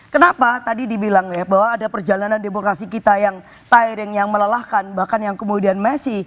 kenapa tadi dibilang ya bahwa ada perjalanan demokrasi kita yang tyring yang melelahkan bahkan yang kemudian messi